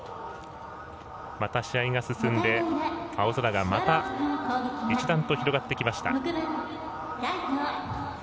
また試合が進んで青空がまた一段と広がってきました。